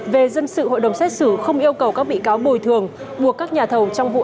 về dân sự hội đồng xét xử không yêu cầu các bị cáo bồi thường